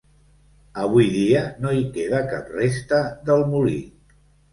Avui dia, no hi queda cap resta del molí.